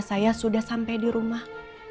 saya sudah sampai dirumah